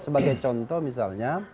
sebagai contoh misalnya